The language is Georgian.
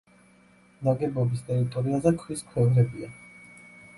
ნაგებობის ტერიტორიაზე ქვის ქვევრებია.